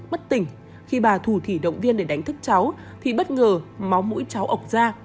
bất tình khi bà thù thỉ động viên để đánh thức cháu thì bất ngờ máu mũi cháu ọc ra